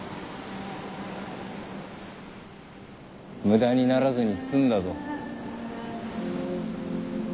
無駄にならずに済んだぞ。